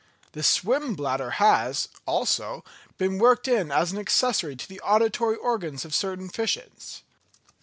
The swim bladder has, also, been worked in as an accessory to the auditory organs of certain fishes.